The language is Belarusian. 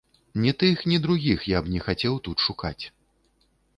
Ні тых, ні другіх я б не хацеў тут шукаць.